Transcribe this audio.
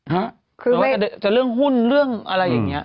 หรือว่าจะเรื่องหุ้นเรื่องอะไรอย่างนี้